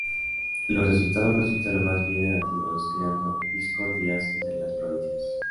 Los resultados resultaron más bien negativos, creando discordias entre las provincias.